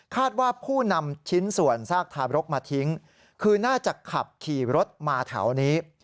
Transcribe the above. ว่าผู้นำชิ้นส่วนซากทารกมาทิ้งคือน่าจะขับขี่รถมาแถวนี้